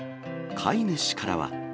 飼い主からは。